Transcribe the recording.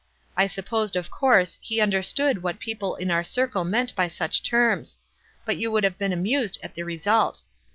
I supposed, of course, he understood what people in our circle meant by such terms ; but you would have been amused at the result.